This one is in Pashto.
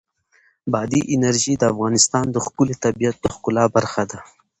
بادي انرژي د افغانستان د ښکلي طبیعت د ښکلا برخه ده.